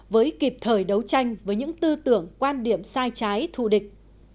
với kịp thời đấu tranh với những tư tưởng quan điểm sai trái thù địch